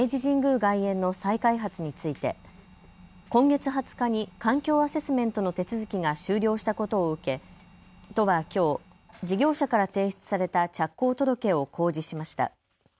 外苑の再開発について今月２０日に環境アセスメントの手続きが終了したことを受け都はきょう事業者から提出された着工届を公示しました。